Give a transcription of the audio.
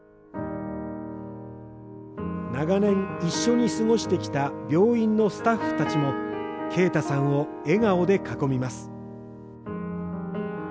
長年、一緒に過ごしてきた病院のスタッフたちも慶太さんを笑顔で囲みます。